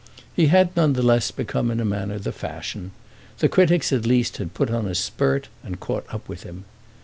He had none the less become in a manner the fashion; the critics at least had put on a spurt and caught up with him.